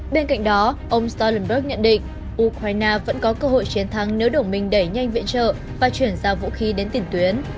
bên cạnh đó ông starlinberg nhận định ukraine vẫn có cơ hội chiến thắng nếu đồng minh đẩy nhanh viện trợ và chuyển giao vũ khí đến tiền tuyến